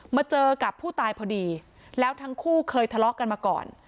มาเจอกับผู้ตายพอดีแล้วทั้งคู่เคยทะเลาะกันมาก่อน